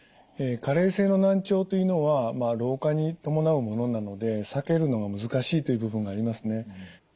加齢性の難聴というのは老化に伴うものなので避けるのが難しいという部分がありますね。